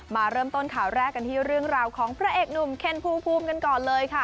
มาเริ่มต้นข่าวแรกกันที่เรื่องราวของพระเอกหนุ่มเคนภูมิกันก่อนเลยค่ะ